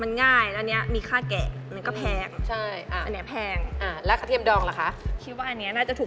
อันนู้นมันเยอะเพราะว่าเคยซื้อเหมือนกัน